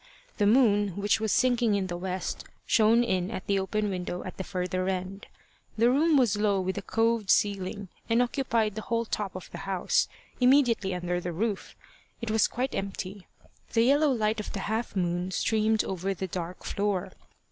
The moon, which was sinking in the west, shone in at an open window at the further end. The room was low with a coved ceiling, and occupied the whole top of the house, immediately under the roof. It was quite empty. The yellow light of the half moon streamed over the dark floor.